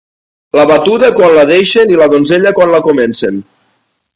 La batuda quan la deixen i la donzella quan la comencen.